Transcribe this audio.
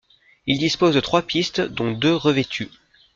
Il dispose de trois pistes dont deux revêtues.